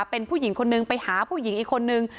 เป็นผู้หญิงคนนึงไปหาผู้หญิงอีกคนนึง